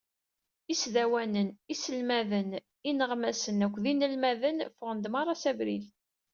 Isdawanen, iselmaden, ineɣmasen akked yinelmaden, ffɣen-d merra s abrid.